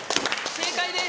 正解です！